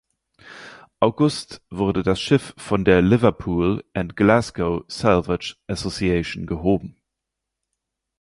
August wurde das Schiff von der Liverpool and Glasgow Salvage Association gehoben.